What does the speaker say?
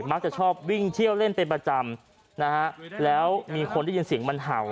มักจะชอบวิ่งเที่ยวเล่นเป็นประจำนะฮะแล้วมีคนได้ยินเสียงมันเห่า